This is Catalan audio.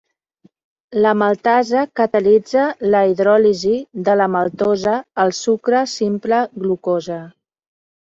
La maltasa catalitza la hidròlisi de la maltosa al sucre simple glucosa.